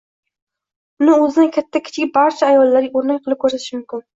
Uni o'zidan katta-kichik, barcha ayollarga o'rnak qilib ko'rsatish mumkin.